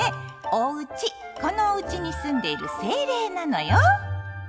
おうちこのおうちに住んでいる精霊なのよ。